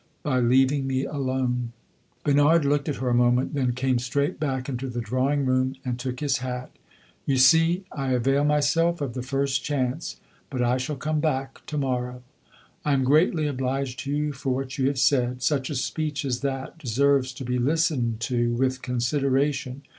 "By leaving me alone." Bernard looked at her a moment, then came straight back into the drawing room and took his hat. "You see I avail myself of the first chance. But I shall come back to morrow." "I am greatly obliged to you for what you have said. Such a speech as that deserves to be listened to with consideration.